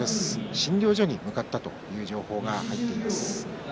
診療所に向かったという情報が入っています。